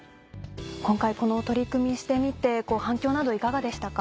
今回この取り組みしてみて反響などいかがでしたか？